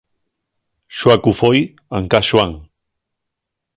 Xuacu foi an ca Xuan.